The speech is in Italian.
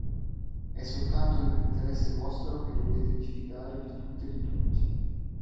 È soltanto nell'interesse vostro che dovete diffidare di tutto e di tutti.